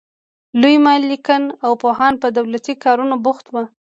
لوی مالکین او پوهان په دولتي کارونو بوخت وو.